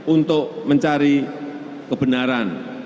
untuk mencari kebenaran